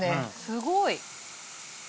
すごい！